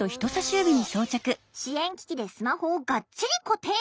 支援機器でスマホをがっちり固定。